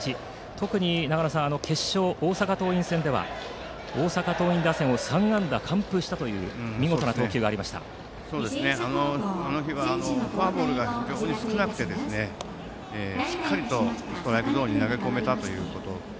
特に長野さん決勝の大阪桐蔭戦では大阪桐蔭打線を３安打完封したというあの日はフォアボールが非常に少なくてしっかりストライクゾーンに投げ込めたということで。